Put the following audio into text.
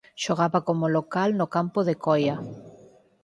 Xogaba como local no campo de Coia.